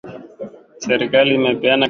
Serikali imepeana kandarasi zote